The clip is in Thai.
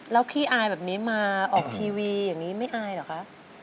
แล้วขี้อายแบบนี้มาออกทีวีอย่างนี้ไม่อายเหรอคะ